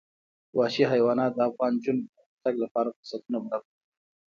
وحشي حیوانات د افغان نجونو د پرمختګ لپاره فرصتونه برابروي.